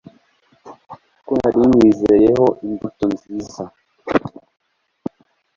ko nari nywizeyeho imbuto nziza